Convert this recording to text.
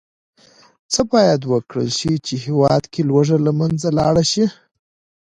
څه باید وکرل شي، چې هېواد کې لوږه له منځه لاړه شي.